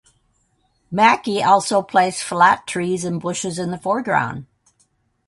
Macke also placed flat trees and bushes in the foreground.